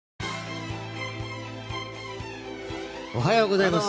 おはようございます。